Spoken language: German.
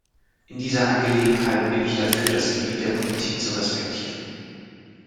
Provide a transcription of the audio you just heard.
In dieser Angelegenheit bin ich dafür, das Gebiet der Politik zu respektieren.